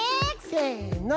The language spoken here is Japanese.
せの！